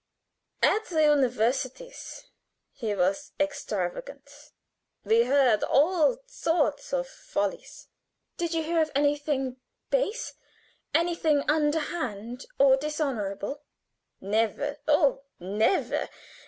At the universities he was extravagant; we heard all sorts of follies." "Did you ever hear of anything base anything underhand or dishonorable?" "Never oh, never.